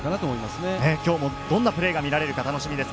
今日もどんなプレーが見られるか楽しみです。